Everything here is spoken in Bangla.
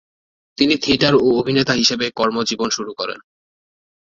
তিনি থিয়েটার এ অভিনেতা হিসেবে কর্ম জীবন শুরু করেন।